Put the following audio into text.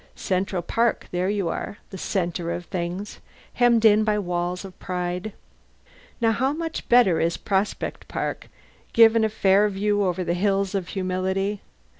Central Park: there you are the centre of things, hemmed in by walls of pride. Now how much better is Prospect Park, giving a fair view over the hills of humility!